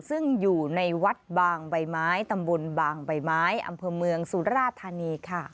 ซึ่งอยู่ในวัดบางใบไม้ตำบลบางใบไม้อำเภอเมืองสุราธานีค่ะ